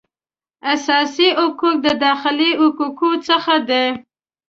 اساسي حقوق د داخلي حقوقو څخه دي